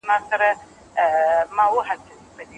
که ښاري اسانتیاوې برابرې نه وي نو جرمونه زیاتیږي.